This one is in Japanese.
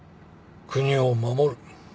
国を守る。